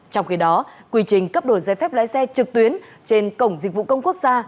trong khi đó quy trình cấp đổi giấy phép lái xe trực tuyến trên cổng dịch vụ công quốc gia